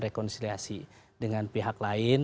rekonsiliasi dengan pihak lain